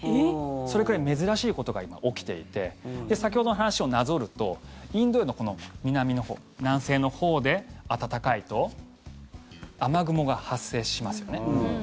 それくらい珍しいことが今、起きていて先ほどの話をなぞるとインド洋のこの南のほう南西のほうで暖かいと雨雲が発生しますよね。